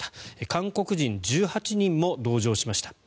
韓国人１８人も同乗しました。